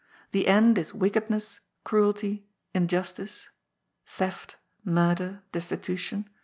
The end is wickedness, cruelty, injustice — theft, murder, destitution.